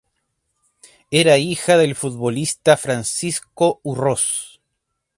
Era hija del futbolista Francisco Urroz.